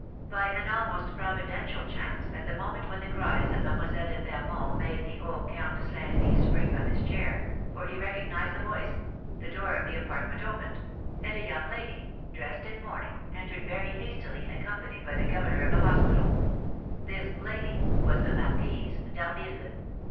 By an almost providential chance, at the moment when the cries of Mlle. de Fermont made the old Count de Saint Remy spring from his chair, for he recognised the voice, the door of the apartment opened, and a young lady, dressed in mourning, entered very hastily, accompanied by the governor of the hospital; this lady was the Marquise d'Harville.